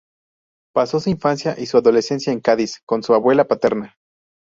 Pasó su infancia y su adolescencia en Cádiz con su abuela paterna.